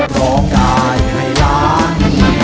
ร้องได้ให้ล้าน